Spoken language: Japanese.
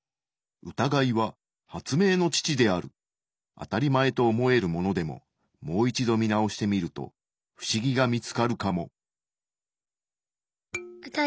あたりまえと思えるものでももう一度見直してみるとフシギが見つかるかも。